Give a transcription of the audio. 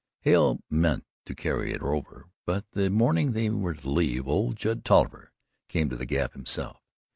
Hale meant to carry her over, but the morning they were to leave, old Judd Tolliver came to the Gap himself.